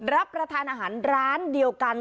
รับประทานอาหารร้านเดียวกัน